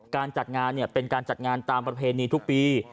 การจัดงานเป็นการจัดงานตามประเพณีทุกปี